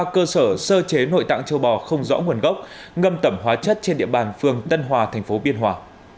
ba cơ sở sơ chế nội tạng châu bò không rõ nguồn gốc ngâm tẩm hóa chất trên địa bàn phường tân hòa tp biên hòa